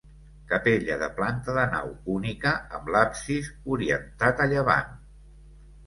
Capella de planta de nau única amb l'absis orientat a llevant.